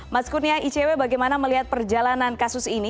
mas kurnia icw bagaimana melihat perjalanan kasus ini